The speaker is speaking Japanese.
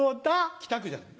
北区じゃない？